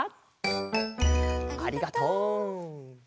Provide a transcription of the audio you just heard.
ありがとう。